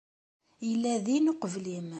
Yella din uqbel-im.